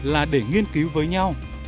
hai là để nghiên cứu với nhau